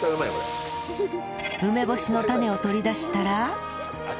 梅干しの種を取り出したら